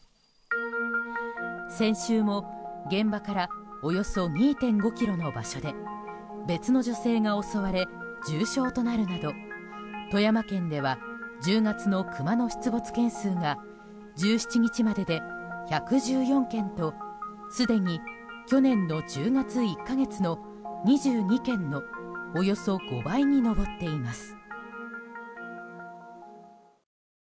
先週も現場からおよそ２．５ｋｍの場所で別の女性が襲われ重傷となるなど富山県では１０月のクマの出没件数が１７日までで１１４件とすでに去年の１０月１か月の２２件のおよそ５倍に上っています。